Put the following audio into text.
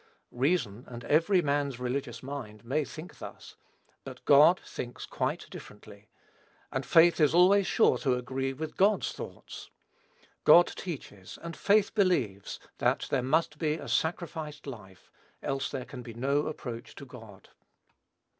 Reason, and even man's religious mind, may think thus; but God thinks quite differently; and faith is always sure to agree with God's thoughts. God teaches, and faith believes, that there must be a sacrificed life, else there can be no approach to God.